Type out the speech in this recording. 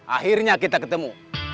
akhirnya kita ketemu